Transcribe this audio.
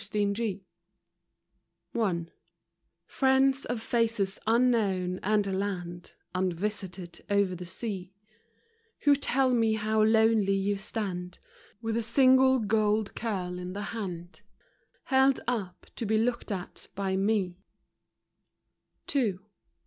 T 7 RIENDS of faces unknown and a land Unvisited over the sea, Who tell me how lonely you stand With a single gold curl in the hand Held up to be looked at by me, — ro FROM QUEENS' GARDENS.